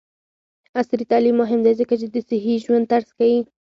عصري تعلیم مهم دی ځکه چې د صحي ژوند طرز ښيي.